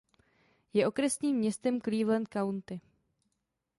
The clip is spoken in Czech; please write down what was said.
Je okresním městem Cleveland County.